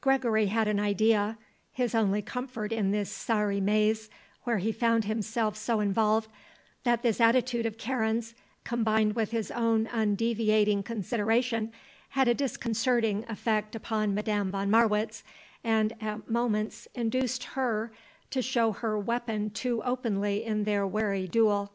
Gregory had an idea his only comfort in this sorry maze where he found himself so involved that this attitude of Karen's, combined with his own undeviating consideration, had a disconcerting effect upon Madame von Marwitz and at moments induced her to show her weapon too openly in their wary duel.